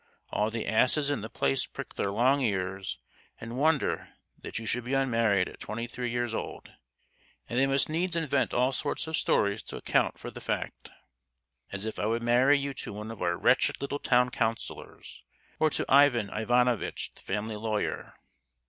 All the asses in the place prick their long ears, and wonder that you should be unmarried at twenty three years old; and they must needs invent all sorts of stories to account for the fact! As if I would marry you to one of our wretched little town councillors, or to Ivan Ivanovitch, the family lawyer!